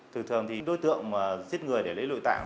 thường thường thì đối tượng giết người để lấy nội tạng